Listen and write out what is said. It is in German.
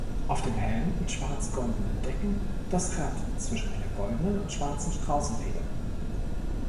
Auf dem Helm mit schwarz-goldenen Decken das Rad zwischen einer goldenen und schwarzen Straußenfeder.